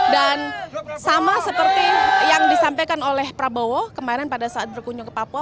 sama seperti yang disampaikan oleh prabowo kemarin pada saat berkunjung ke papua